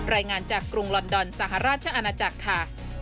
รายงานจากกรุงลอนดอนสหราชอาณาจักรค่ะ